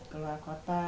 ke luar kota